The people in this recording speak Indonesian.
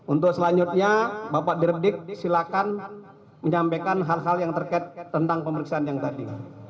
untuk selanjutnya bapak diredik silakan menyampaikan hal hal yang terkait tentang pemeriksaan yang tadi